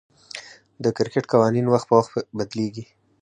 د کرکټ قوانين وخت پر وخت بدليږي.